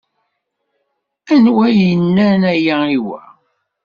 Anwa yenna-n aya i wa?